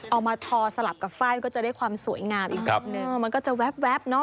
เอามาทอสลับกับไฟล์ก็จะได้ความสวยงามอีกนิดนึงมันก็จะแว๊บเนอะ